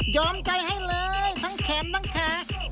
ใจให้เลยทั้งแขนทั้งขา